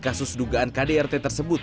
kasus dugaan kdrt tersebut